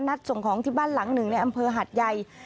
ส่งของที่บ้านหลังหนึ่งในอำเภอหัดใหญ่